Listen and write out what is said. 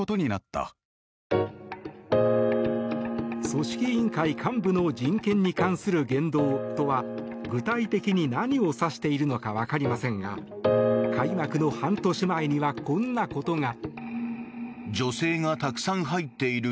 組織委員会幹部の人権に関する言動とは具体的に何を指しているのか分かりませんが開幕の半年前にはこんなことが。